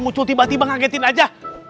muncul tiba tiba ngagetin aja